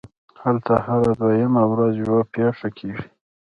هلته هره دویمه ورځ یوه پېښه کېږي